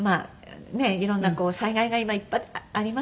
色んな災害が今いっぱいありますよね。